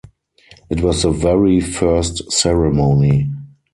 It was the very first ceremony.